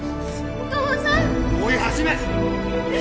お父さん！